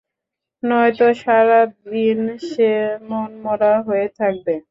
নয়তো সারাদিন সে মনমরা হয়ে থাকবে।